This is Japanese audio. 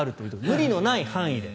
無理のない範囲で。